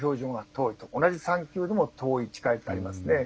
同じ３級でも遠い、近いというのがありますね。